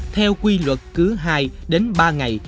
theo quy luật cứ hai đến ba ngày